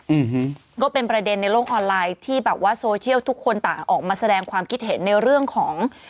อืมก็เป็นประเด็นในโลกออนไลน์ที่แบบว่าโซเชียลทุกคนต่างออกมาแสดงความคิดเห็นในเรื่องของ